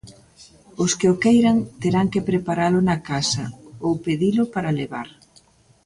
Os que o queiran terán que preparalo na casa, ou pedilo para levar.